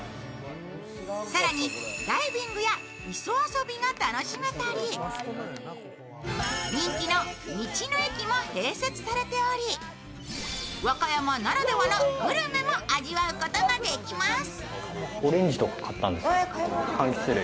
更にダイビングや磯遊びが楽しめたり人気の道の駅も併設されており、和歌山ならではのグルメも味わうことができます。